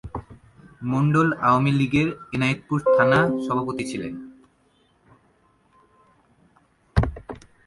মন্ডল আওয়ামী লীগের এনায়েতপুর থানা সভাপতি ছিলেন।